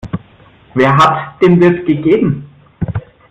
Wer hat, dem wird gegeben.